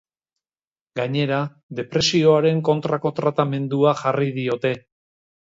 Gainera, depresioaren kontrako tratamendua jarri diote.